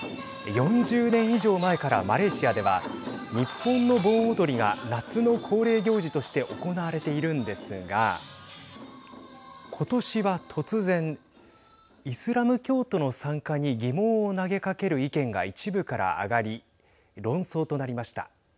４０年以上前からマレーシアでは日本の盆踊りが夏の恒例行事として行われているんですがことしは突然イスラム教徒の参加に疑問を投げかける意見が一部から上がり論争となりました。